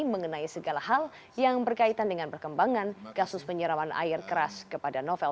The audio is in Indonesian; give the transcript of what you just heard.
mengenai segala hal yang berkaitan dengan perkembangan kasus penyeraman air keras kepada novel